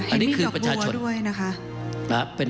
อันนี้คือประชาชน